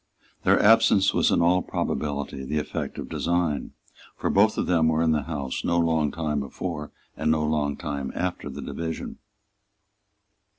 Their absence was in all probability the effect of design; for both of them were in the House no long time before and no long time after the division.